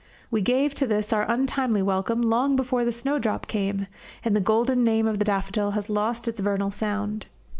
We gave to this our untimely welcome long before the snowdrop came, and the golden name of daffodil has lost its vernal sound.